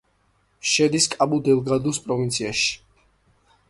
შედის კაბუ-დელგადუს პროვინციაში.